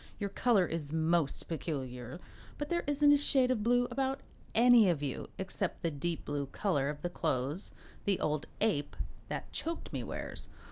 Your color is most peculiar, but there isn't a shade of blue about any of you, except the deep blue color of the clothes the old ape that choked me wears.